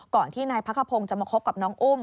ก่อนที่นายพักขพงศ์จะมาคบกับน้องอุ้ม